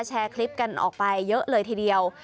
แชร์คลิปกันออกไปเยอะเลยทีเดียว